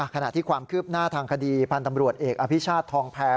ขณะที่ความคืบหน้าทางคดีพันธ์ตำรวจเอกอภิชาติทองแพร